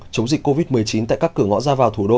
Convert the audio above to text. chống dịch covid một mươi chín tại các cửa ngõ ra vào thủ đô